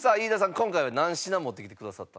今回は何品持ってきてくださったんですか？